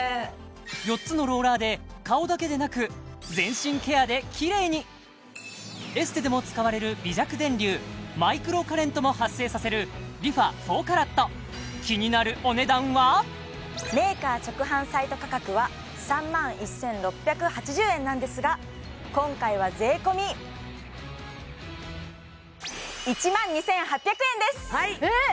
４つのローラーで顔だけでなく全身ケアできれいにエステでも使われる微弱電流マイクロカレントも発生させるＲｅＦａ４ＣＡＲＡＴメーカー直販サイト価格は３万１６８０円なんですが今回は税込１万２８００円です！